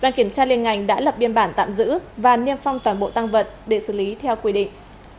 đoàn kiểm tra liên ngành đã lập biên bản tạm giữ và niêm phong toàn bộ tăng vật để xử lý theo quy định